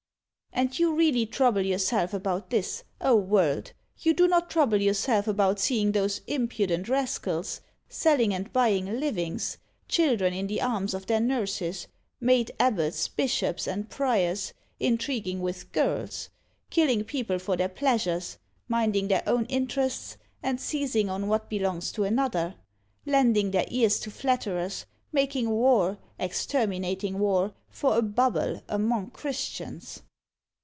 And you really trouble yourself about this? Oh, World! you do not trouble yourself about Seeing those impudent rascals Selling and buying livings; Children in the arms of their nurses Made Abbots, Bishops, and Priors, Intriguing with girls, Killing people for their pleasures, Minding their own interests, and seizing on what belongs to another, Lending their ears to flatterers, Making war, exterminating war, For a bubble, among Christians!